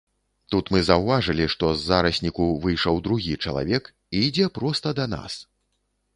Тут мы заўважылі, што з зарасніку выйшаў другі чалавек і ідзе проста да нас.